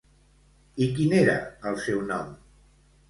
I quin era el seu nom?